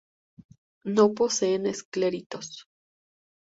No poseen escleritos.